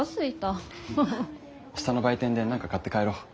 下の売店で何か買って帰ろう。